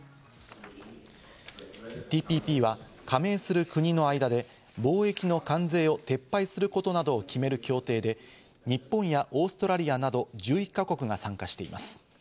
ＴＰＰは加盟する国の間で貿易の関税を撤廃することなどを決める協定で、日本やオーストラリアなど１１か国が参加しています。